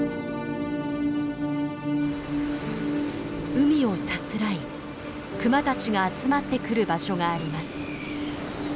海をさすらいクマたちが集まってくる場所があります。